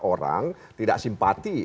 orang tidak simpati